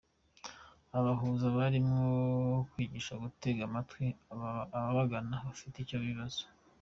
Aba bahuza barimo kwigishwa gutega amatwi ababagana bafite icyo kibazo.